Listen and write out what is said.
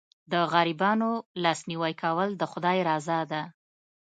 د غریبانو لاسنیوی کول د خدای رضا ده.